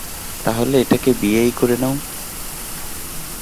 তাহলে এটাকে বিয়েই করে নাও?